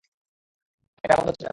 এটা বন্ধ হচ্ছে না কেন?